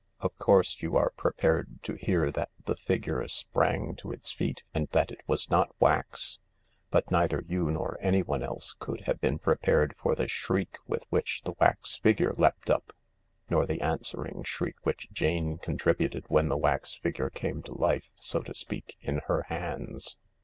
Of course you are prepared to hear that the figure sprang to its feet, and that it was not wax, but neither you nor any one else could have been prepared for the shriek with which the wax figure leapt up, nor the answering shriek which Jane contributed when the wax figure came to life, so to speak, in her hands.